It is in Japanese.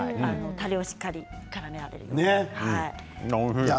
たれをいっぱいからめられるようにして。